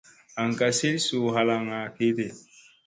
Aŋ ka sil suu halaŋŋa kiɗi.